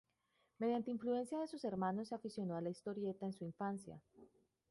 Mediante influencia de sus hermanos se aficionó a la historieta en su infancia.